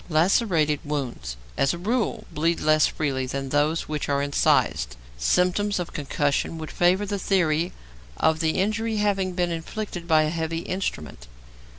Lacerated wounds as a rule bleed less freely than those which are incised. Symptoms of concussion would favour the theory of the injury having been inflicted by a heavy instrument.